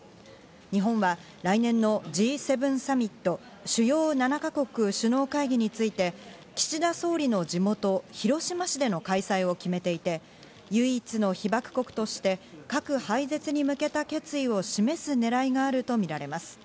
日本は来年のＧ７サミット＝主要７か国首脳会議について、岸田総理の地元・広島市での開催を決めていて、唯一の被爆国として、核廃絶に向けた決意を示すねらいがあるとみられます。